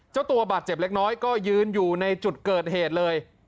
เจ้าตัวบาดเจ็บเล็กน้อยก็ยืนอยู่ในจุดเกิดเหตุเลย